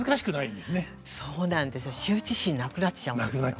そうなんですよ羞恥心なくなっちゃうんですよ。